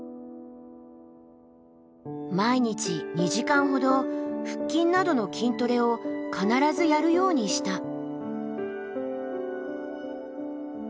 毎日２時間ほど腹筋などの筋トレを必ずやるようにした。